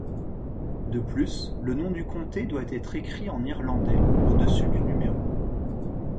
De plus, le nom du comté doit être écrit en irlandais au-dessus du numéro.